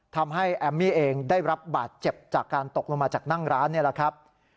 ทำให้แอมมี่เองได้รับบาดเจ็บจากการตกลงมาจากร้านนั่น